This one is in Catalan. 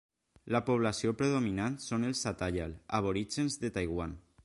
La població predominant són els atayal, aborígens de Taiwan.